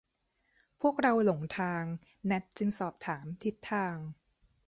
พวกเราหลงทาง แนทจึงสอบถามทิศทาง